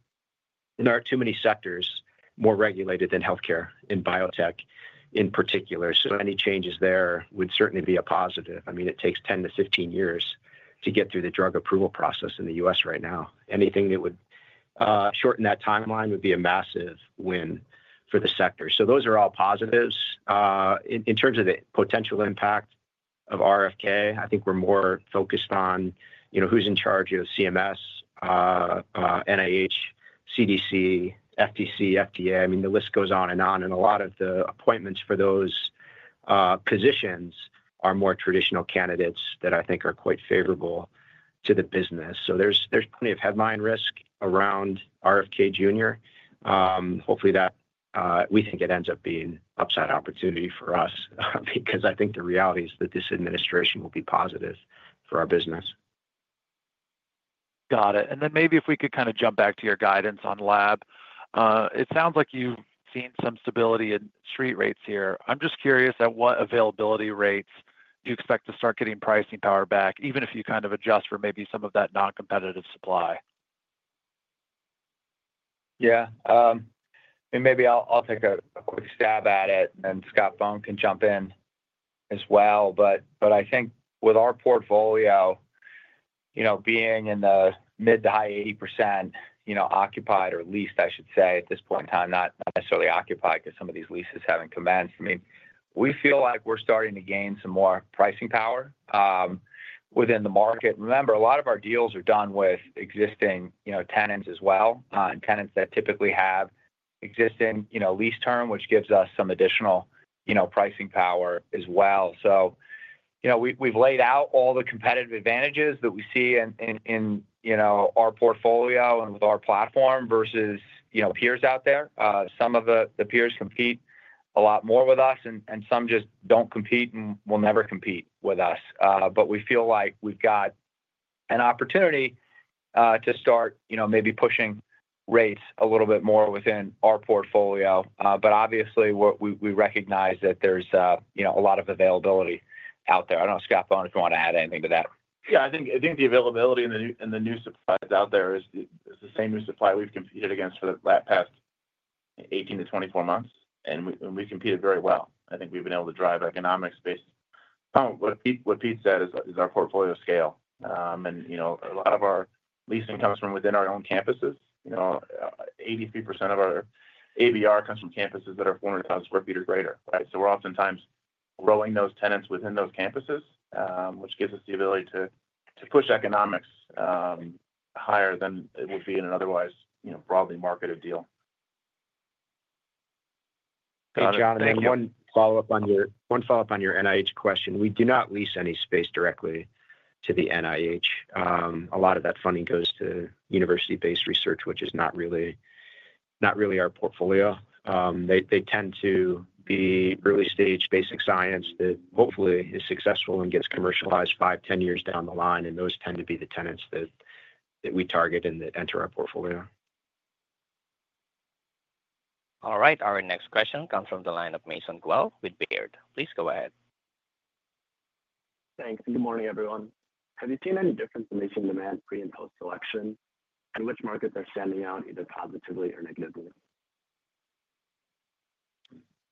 There are too many sectors more regulated than healthcare and biotech in particular, so any changes there would certainly be a positive. I mean, it takes 10-15 years to get through the drug approval process in the U.S. right now. Anything that would shorten that timeline would be a massive win for the sector. So those are all positives. In terms of the potential impact of RFK, I think we're more focused on who's in charge of CMS, NIH, CDC, FTC, FDA. I mean, the list goes on and on. And a lot of the appointments for those positions are more traditional candidates that I think are quite favorable to the business. So there's plenty of headline risk around RFK Jr. Hopefully, we think it ends up being an upside opportunity for us because I think the reality is that this administration will be positive for our business. Got it. And then maybe if we could kind of jump back to your guidance on lab. It sounds like you've seen some stability in street rates here. I'm just curious, at what availability rates do you expect to start getting pricing power back, even if you kind of adjust for maybe some of that non-competitive supply? Yeah. And maybe I'll take a quick stab at it. And then Scott Bohn can jump in as well. But I think with our portfolio being in the mid- to high 80% occupied or leased, I should say, at this point in time, not necessarily occupied because some of these leases haven't commenced. I mean, we feel like we're starting to gain some more pricing power within the market. Remember, a lot of our deals are done with existing tenants as well, tenants that typically have existing lease term, which gives us some additional pricing power as well. So we've laid out all the competitive advantages that we see in our portfolio and with our platform versus peers out there. Some of the peers compete a lot more with us, and some just don't compete and will never compete with us. But we feel like we've got an opportunity to start maybe pushing rates a little bit more within our portfolio. But obviously, we recognize that there's a lot of availability out there. I don't know, Scott Bohn, if you want to add anything to that. Yeah. I think the availability in the new supply out there is the same new supply we've competed against for the past 18-24 months. And we've competed very well. I think we've been able to drive economics based on what Pete said is our portfolio scale. And a lot of our leasing comes from within our own campuses. 83% of our ABR comes from campuses that are 400,000 sq ft or greater, right? So we're oftentimes retaining those tenants within those campuses, which gives us the ability to push economics higher than it would be in an otherwise broadly marketed deal. Thank you, John. And then one follow-up on your NIH question. We do not lease any space directly to the NIH. A lot of that funding goes to university-based research, which is not really our portfolio. They tend to be early-stage basic science that hopefully is successful and gets commercialized five, 10 years down the line. And those tend to be the tenants that we target and that enter our portfolio. All right. Our next question comes from the line of Mason Guell with Baird. Please go ahead. Thanks. Good morning, everyone. Have you seen any difference in leasing demand pre- and post-election, and which markets are standing out either positively or negatively?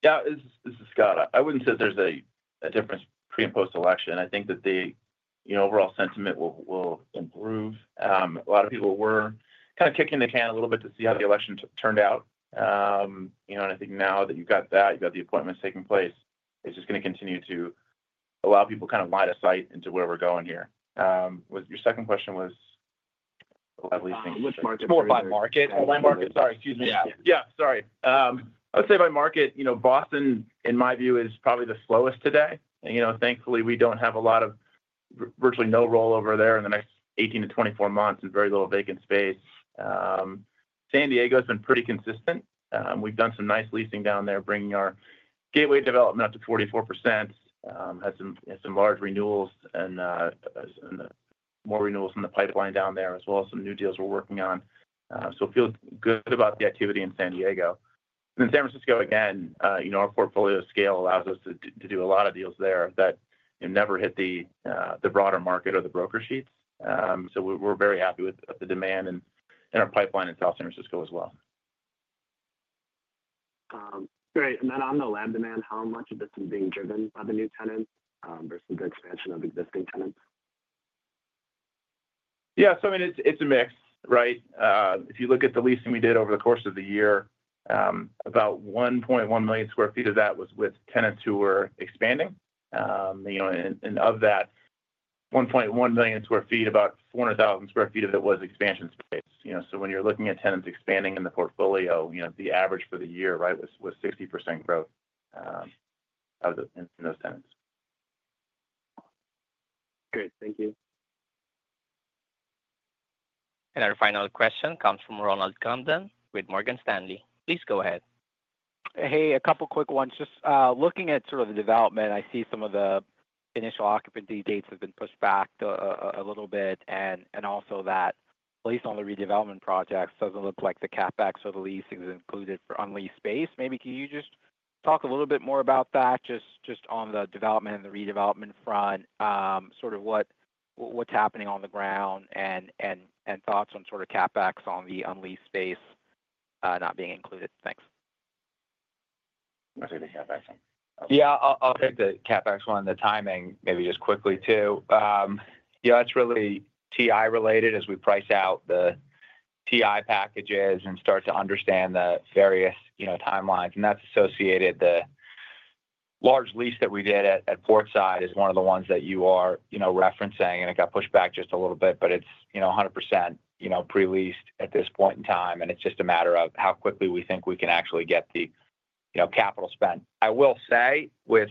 Yeah. This is Scott. I wouldn't say there's a difference pre- and post-election. I think that the overall sentiment will improve. A lot of people were kind of kicking the can a little bit to see how the election turned out. And I think now that you've got that, you've got the appointments taking place, it's just going to continue to allow people kind of line of sight into where we're going here. Your second question was, it's more about market. Sorry. Excuse me. I would say by market, Boston, in my view, is probably the slowest today. Thankfully, we have virtually no rollover there in the next 18-24 months and very little vacant space. San Diego has been pretty consistent. We've done some nice leasing down there, bringing our Gateway development up to 44%. It has some large renewals and more renewals in the pipeline down there, as well as some new deals we're working on. So feel good about the activity in San Diego. And then San Francisco, again, our portfolio scale allows us to do a lot of deals there that never hit the broader market or the broker sheets. So we're very happy with the demand in our pipeline in South San Francisco as well. Great. And then on the land demand, how much of this is being driven by the new tenants versus the expansion of existing tenants? Yeah. So I mean, it's a mix, right? If you look at the leasing we did over the course of the year, about 1.1 million sq ft of that was with tenants who were expanding. And of that 1.1 million sq ft, about 400,000 sq ft of it was expansion space. So when you're looking at tenants expanding in the portfolio, the average for the year, right, was 60% growth in those tenants. Great. Thank you. Our final question comes from Ronald Kamdem with Morgan Stanley. Please go ahead. Hey, a couple of quick ones. Just looking at sort of the development, I see some of the initial occupancy dates have been pushed back a little bit. And also that, at least on the redevelopment projects, doesn't look like the CapEx or the leasing is included for unleased space. Maybe can you just talk a little bit more about that, just on the development and the redevelopment front, sort of what's happening on the ground and thoughts on sort of CapEx on the unleased space not being included? Thanks. I'll take the CapEx one. Yeah. I'll take the CapEx one. The timing, maybe just quickly too. Yeah, it's really TI-related as we price out the TI packages and start to understand the various timelines, and that's associated. The large lease that we did at Portside is one of the ones that you are referencing, and it got pushed back just a little bit, but it's 100% pre-leased at this point in time, and it's just a matter of how quickly we think we can actually get the capital spent. I will say with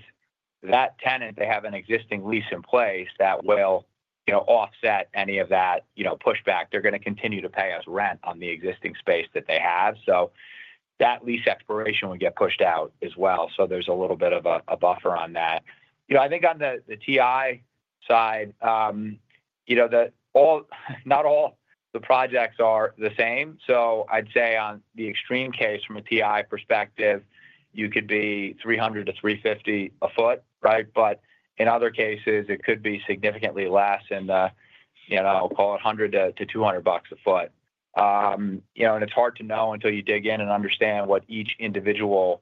that tenant, they have an existing lease in place that will offset any of that pushback. They're going to continue to pay us rent on the existing space that they have, so that lease expiration will get pushed out as well, so there's a little bit of a buffer on that. I think on the TI side, not all the projects are the same. So I'd say on the extreme case from a TI perspective, you could be $300-$350 a foot, right? But in other cases, it could be significantly less in the, I'll call it, $100-$200 bucks a foot. And it's hard to know until you dig in and understand what each individual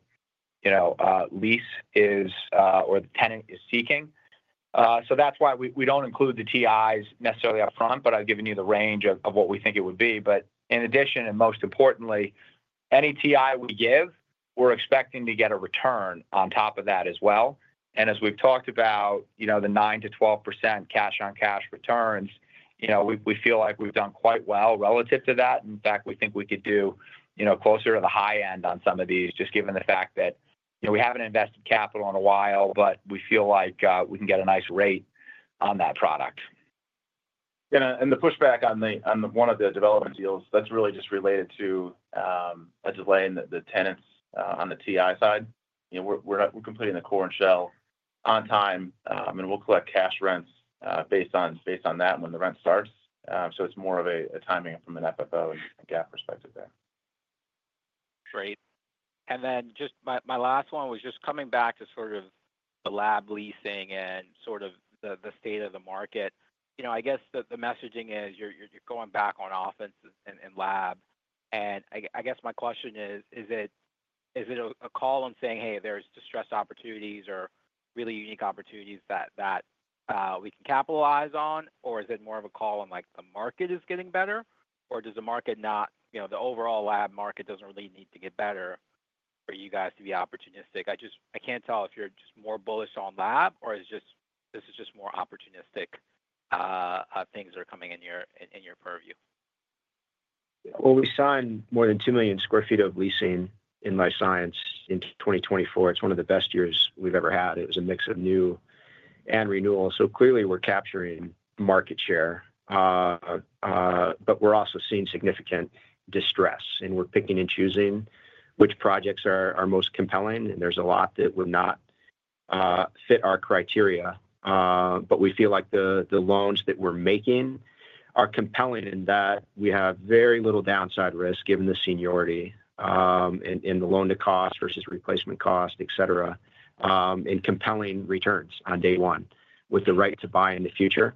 lease or the tenant is seeking. So that's why we don't include the TIs necessarily upfront, but I've given you the range of what we think it would be. But in addition, and most importantly, any TI we give, we're expecting to get a return on top of that as well. And as we've talked about the 9%-12% cash-on-cash returns, we feel like we've done quite well relative to that. In fact, we think we could do closer to the high end on some of these, just given the fact that we haven't invested capital in a while, but we feel like we can get a nice rate on that product. Yeah. And the pushback on one of the development deals, that's really just related to a delay in the tenants on the TI side. We're completing the core and shell on time, and we'll collect cash rents based on that when the rent starts. So it's more of a timing from an FFO and GAAP perspective there. Great. And then just my last one was just coming back to sort of the lab leasing and sort of the state of the market. I guess the messaging is you're going back on offense in lab. And I guess my question is, is it a call on saying, "Hey, there's distressed opportunities or really unique opportunities that we can capitalize on?" Or is it more of a call on the market is getting better? Or does the market not, the overall lab market doesn't really need to get better for you guys to be opportunistic? I can't tell if you're just more bullish on lab or this is just more opportunistic things that are coming in your purview. We signed more than 2 million sq ft of leasing in life science in 2024. It's one of the best years we've ever had. It was a mix of new and renewal. Clearly, we're capturing market share. We're also seeing significant distress. We're picking and choosing which projects are most compelling. There's a lot that would not fit our criteria. We feel like the loans that we're making are compelling in that we have very little downside risk given the seniority in the loan-to-cost versus replacement cost, etc., and compelling returns on day one with the right to buy in the future.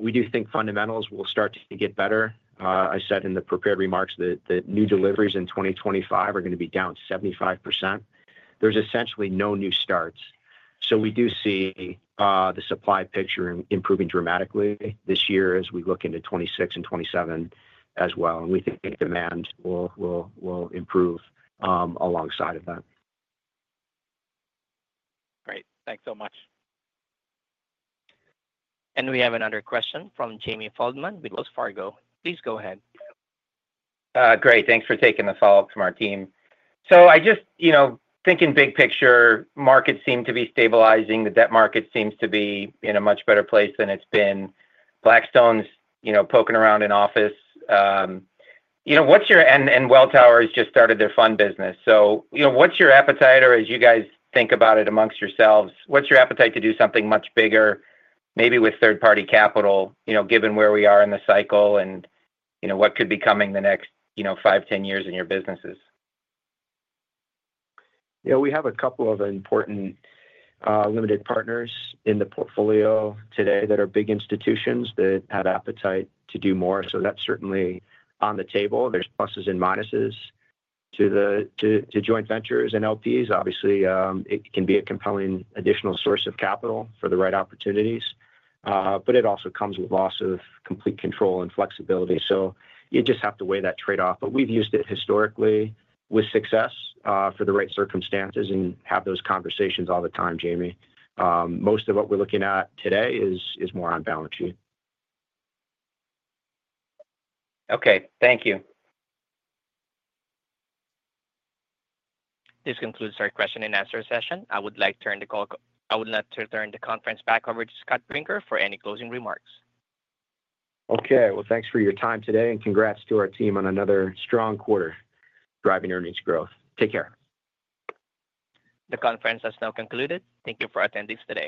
We do think fundamentals will start to get better. I said in the prepared remarks that new deliveries in 2025 are going to be down 75%. There's essentially no new starts. So we do see the supply picture improving dramatically this year as we look into 2026 and 2027 as well. And we think demand will improve alongside of that. Great. Thanks so much. And we have another question from Jamie Feldman with Wells Fargo. Please go ahead. Great. Thanks for taking the follow-up from our team, so I just think in big picture, markets seem to be stabilizing. The debt market seems to be in a much better place than it's been. Blackstone's poking around in office. And Wells Fargo has just started their fund business, so what's your appetite, or as you guys think about it amongst yourselves, what's your appetite to do something much bigger, maybe with third-party capital, given where we are in the cycle and what could be coming the next five, 10 years in your businesses? Yeah. We have a couple of important limited partners in the portfolio today that are big institutions that have appetite to do more. So that's certainly on the table. There's pluses and minuses to joint ventures and LPs. Obviously, it can be a compelling additional source of capital for the right opportunities. But it also comes with loss of complete control and flexibility. So you just have to weigh that trade-off. But we've used it historically with success for the right circumstances and have those conversations all the time, Jamie. Most of what we're looking at today is more on balance sheet. Okay. Thank you. This concludes our question and answer session. I would like to turn the conference back over to Scott Brinker for any closing remarks. Okay. Well, thanks for your time today. And congrats to our team on another strong quarter driving earnings growth. Take care. The conference has now concluded. Thank you for attending today.